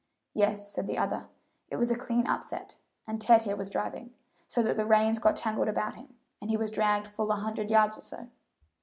"Yes," said the other; "it was a clean upset, and Ted here was driving, so that the reins got tangled about him, and he was dragged full a hundred yards or so.